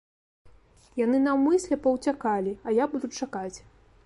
Яны наўмысля паўцякалі, а я буду чакаць.